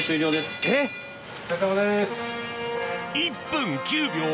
１分９秒！